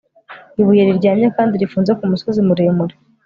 ibuye riryamye kandi rifunze kumusozi muremure